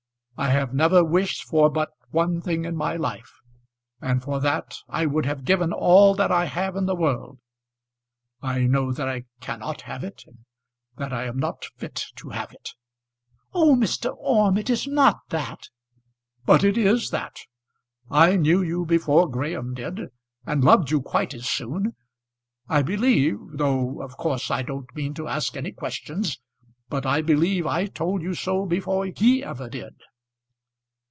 I have never wished for but one thing in my life; and for that I would have given all that I have in the world. I know that I cannot have it, and that I am not fit to have it." "Oh, Mr. Orme, it is not that." "But it is that. I knew you before Graham did, and loved you quite as soon. I believe though of course I don't mean to ask any questions but I believe I told you so before he ever did."